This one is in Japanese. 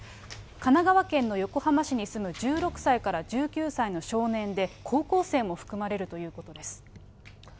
神奈川県の横浜市に住む１６歳から１９歳の少年で、高校生も含まれるということです。